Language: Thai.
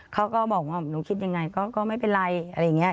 เขาก็บอกว่าหนูคิดยังไงก็ไม่เป็นไรอะไรอย่างนี้